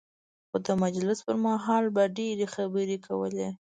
خو د مجلس پر مهال به ډېرې خبرې کولې.